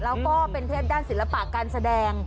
แล้วก็เป็นเทพด้านศิลปะการแสดง